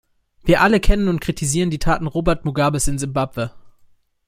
Wir alle kennen und kritisieren die Taten Robert Mugabes in Simbabwe.